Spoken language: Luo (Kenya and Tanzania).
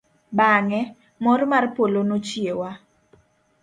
Bang'e, mor mar polo nochiewa.